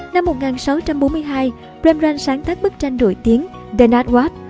năm một nghìn sáu trăm bốn mươi hai rembrandt sáng tác bức tranh nổi tiếng the night watch